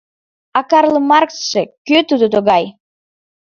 — А Карл Марксше кӧ тудо тугай?